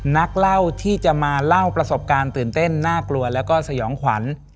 นักเล่าที่จะมาเล่าประสบการณ์ตื่นเต้นน่ากลัวแล้วก็สยองขวัญ